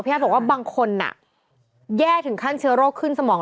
บอกว่าบางคนแย่ถึงขั้นเชื้อโรคขึ้นสมอง